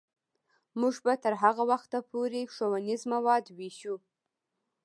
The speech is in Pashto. موږ به تر هغه وخته پورې ښوونیز مواد ویشو.